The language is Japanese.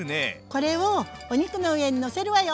これをお肉の上にのせるわよ。